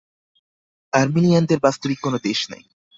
আরমিনীয়ানদের বাস্তবিক কোন দেশ নাই।